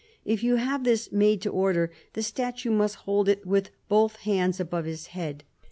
If you have this made to order the statue must hold it with both hands above his head.